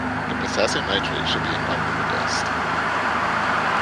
The potassium nitrate should be impalpable dust.